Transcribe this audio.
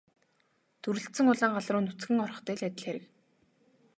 Дүрэлзсэн улаан гал руу нүцгэн орохтой л адил хэрэг.